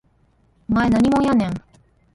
お前何もんやねん